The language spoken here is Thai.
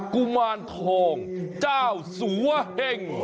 กุมารทองเจ้าสัวเห่ง